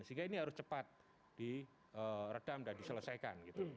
sehingga ini harus cepat di redam dan diselesaikan gitu